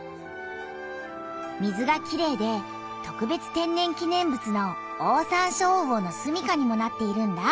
水がきれいで特別天然記念物のオオサンショウウオのすみかにもなっているんだ。